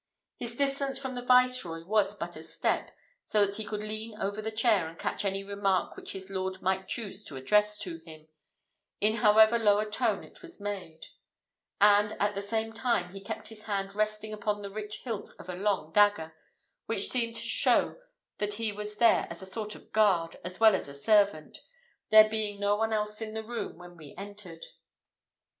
His distance from the viceroy was but a step, so that he could lean over the chair and catch any remark which his lord might choose to address to him, in however low a tone it was made, and at the same time, he kept his hand resting upon the rich hilt of a long dagger; which seemed to show that he was there as a sort of guard, as well as a servant, there being no one else in the room when we entered.